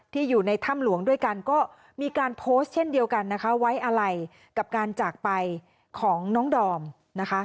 อยู่ในถ้ำหลวงด้วยกันก็มีการโพสต์เช่นเดียวกันนะคะไว้อะไรกับการจากไปของน้องดอมนะคะ